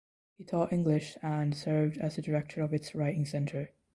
He taught English and served as the director of its writing center.